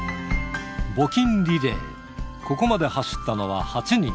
募金リレー、ここまで走ったのは８人。